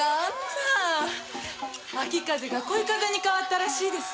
秋風が恋風に変わったらしいですよ。